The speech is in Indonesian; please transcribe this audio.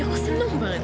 aku seneng banget